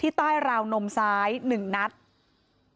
มีชายแปลกหน้า๓คนผ่านมาทำทีเป็นช่วยค่างทาง